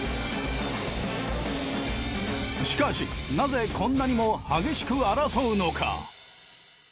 しかしなぜこんなにも激しく争うのか。